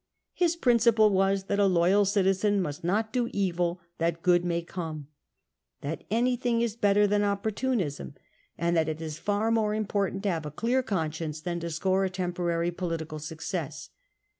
His principle was that a loyal citizen must not do evil that good may come, that anything is better than opportunism, and that it is far more important to have a clear conscience than to score a temporary politi cal success.